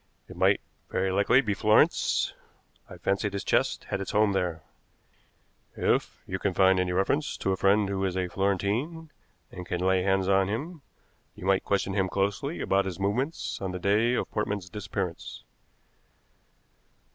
It might very likely be Florence. I fancy this chest had its home there. If you find any reference to a friend who is a Florentine, and can lay hands on him, you might question him closely about his movements on the day of Portman's disappearance."